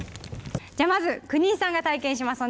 じゃまず国井さんが体験します。